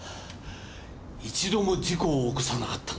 一度も事故を起こさなかったのが誇りです。